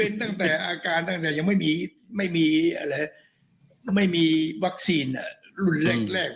เป็นตั้งแต่อาการตั้งแต่ยังไม่มีไม่มีวัคซีนรุนแรกแรก